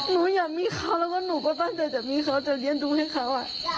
หนูอยากมีเขาแล้วก็หนูก็ตั้งแต่จะมีเขาจะเรียนดูให้เขาอ่ะ